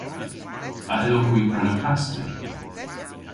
A yllowgh hwi prena pasti?